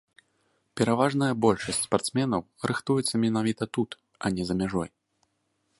Пераважная большасць спартсменаў рыхтуецца менавіта тут, а не за мяжой.